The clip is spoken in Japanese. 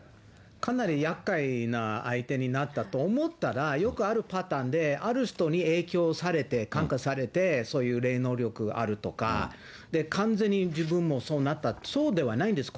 かなりやっかいな相手になったと思ったら、よくあるパターンで、ある人に影響されて、感化されて、そういう霊能力あるとか、完全に自分もそうなったと、そうではないんです。